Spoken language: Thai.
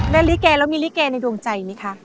ลิเกแล้วมีลิเกในดวงใจไหมคะ